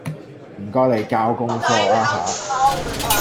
唔該你交功課呀吓